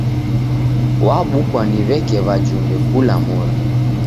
Wabukwa ni w'eke wajumbe kula mori.